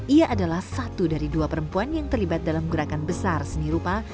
ia adalah satu dari dua perempuan yang terlibat dalam gerakan besar seni rupa